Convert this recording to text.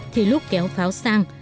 thì lúc kéo pháo sang